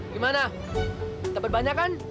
gimana dapet banyak kan